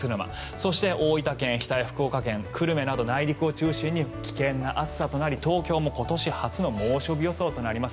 そして、大分県日田や福岡県久留米など内陸を中心に猛烈な暑さとなり東京も今年初の猛暑日予想となります。